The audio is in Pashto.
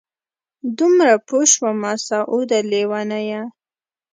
دومره پوه شومه سعوده لېونیه!